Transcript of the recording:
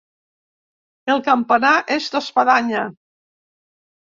El campanar és d'espadanya.